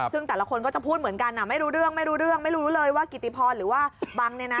ซึ่งแต่ละคนก็จะพูดเหมือนกันไม่รู้เรื่องไม่รู้เลยว่ากิติพรหรือว่าบัง